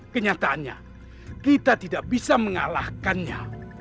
kenyataannya kita tidak bisa mengalahkannya